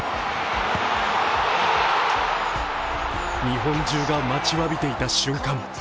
日本中が待ちわびていた瞬間。